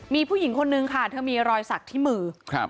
มีผู้หญิงคนนึงค่ะเธอมีรอยสักที่มือครับ